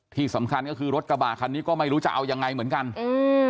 ที่สำคัญก็คือรถกระบะคันนี้ก็ไม่รู้จะเอายังไงเหมือนกันอืม